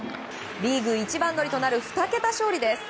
リーグ一番乗りとなる２桁勝利です。